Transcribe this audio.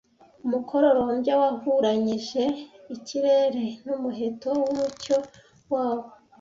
Umukororombya wahuranyije ikirere n’umuheto w’umucyo wawo